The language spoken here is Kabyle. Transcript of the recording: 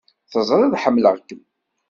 Teẓriḍ ḥemmleɣ-kem!